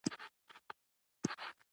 پښتو د هر افغان د ویاړ ژبه ده.